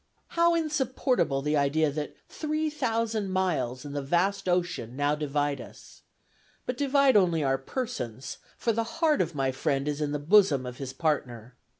"How insupportable the idea that three thousand miles and the vast ocean now divide us! but divide only our persons, for the heart of my friend is in the bosom of his partner.